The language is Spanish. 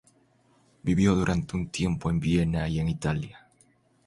Vivió durante un tiempo en Viena y en Italia.